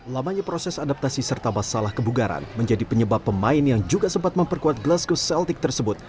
lamanya proses adaptasi serta masalah kebugaran menjadi penyebab pemain yang juga sempat memperkuat glasgow celtik tersebut